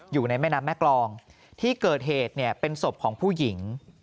อยู่ในแม่น้ำแม่กรองที่เกิดเหตุเนี่ยเป็นศพของผู้หญิง